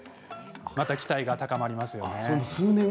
期待が高まりますよね。